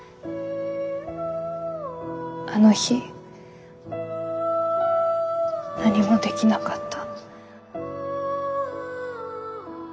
あの日何もできなかった。